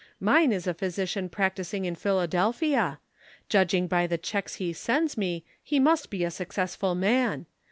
Mine is a physician practising in Philadelphia. Judging by the checks he sends me he must be a successful man.